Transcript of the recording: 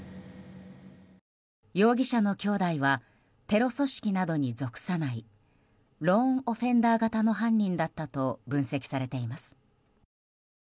容疑者の兄弟はテロ組織などに属さないローン・オフェンダー型の犯人だったと分析されています。